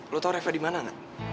lo tau reva dimana gak